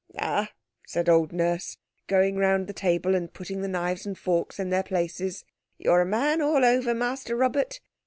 "Ah!" said old Nurse, going round the table and putting the knives and forks in their places; "you're a man all over, Master Robert.